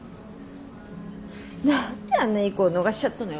何であんないい子を逃しちゃったのよ